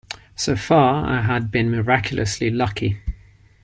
So far I had been miraculously lucky.